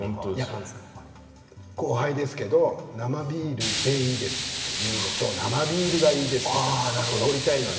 後輩ですけど生ビールでいいですって言うのと生ビールがいいですと言うのとは。